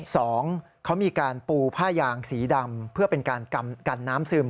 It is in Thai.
สองเขามีการปูผ้ายางสีดำเพื่อเป็นการกันน้ำซึม